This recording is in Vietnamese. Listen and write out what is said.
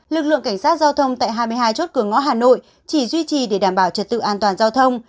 lực lượng cảnh sát giao thông tại hai mươi hai chốt cửa ngõ hà nội chỉ duy trì để đảm bảo trật tự an toàn giao thông